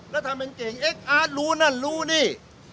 แล้วถ้ามันเก่งเอ๊ะอาจรู้นั่นรู้นี่